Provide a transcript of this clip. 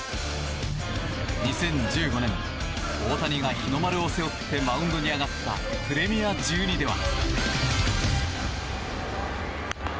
２０１５年大谷が日の丸を背負ってマウンドに上がったプレミア１２では。